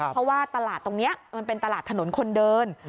เพราะว่าตลาดตรงนี้มันเป็นตลาดถนนคนเดิน